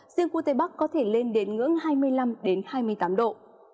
riêng khu tây bắc có thể lên đến ngưỡng hai mươi năm hai mươi tám độ